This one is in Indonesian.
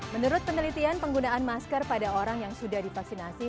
menurut penelitian penggunaan masker pada orang yang sudah divaksinasi